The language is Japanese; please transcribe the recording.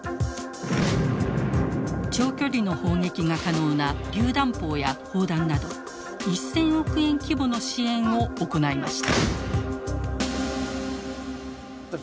長距離の砲撃が可能なりゅう弾砲や砲弾など１，０００億円規模の支援を行いました。